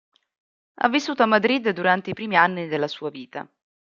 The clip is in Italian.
Ha vissuto a Madrid durante i primi anni della sua vita.